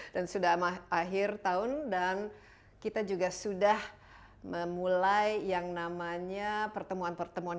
dan sudah akhir tahun dan kita juga sudah memulai yang namanya pertemuan pertemuan